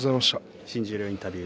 新十両インタビュー